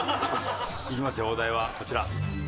いきますよお題はこちら。